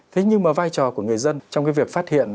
thế nhưng mà vai trò của người dân trong cái việc phát hiện